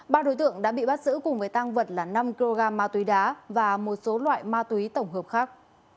ba đối tượng đã bị bắt giữ cùng với tăng vật là năm kg ma túy đá và một số loại ma túy tổng hợp khác